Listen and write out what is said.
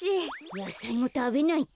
やさいもたべないと。